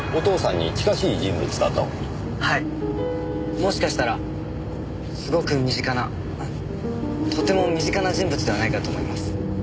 もしかしたらすごく身近なあっとても身近な人物ではないかと思います。